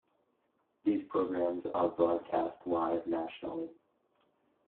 These programs are broadcast live nationally.